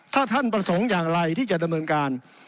ถ้าท่านประสงค์อย่างไรที่จะดำเนินการ